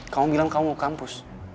kamu bilang kamu mau kampus